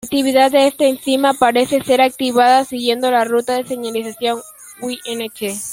La actividad de esta enzima parece ser activada siguiendo la ruta de señalización Wnt.